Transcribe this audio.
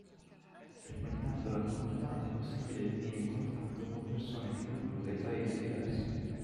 Frequentando le comunità è possibile venire in contatto con persone di culture e Paesi diversi.